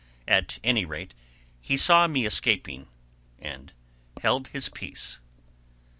At any rate, he saw me escaping and held his peace.